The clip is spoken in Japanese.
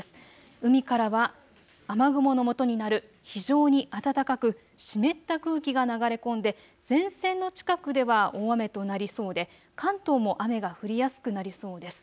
海からは雨雲のもとになる非常に暖かく湿った空気が流れ込んで前線の近くでは大雨となりそうで関東も雨が降りやすくなりそうです。